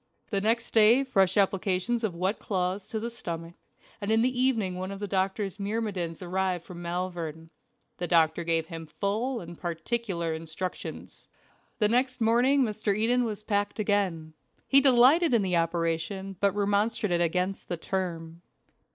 The next day fresh applications of wet cloths to the stomach, and in the evening one of the doctor's myrmidons arrived from Malvern. The doctor gave him full and particular instructions. The next morning Mr. Eden was packed again. He delighted in the operation, but remonstrated against the term.